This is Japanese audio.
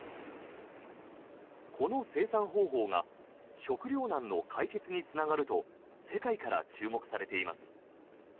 この生産方法が食料難の解決につながると世界から注目されています。